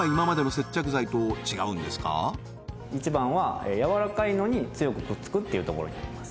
一番は柔らかいのに強くくっつくっていうところになります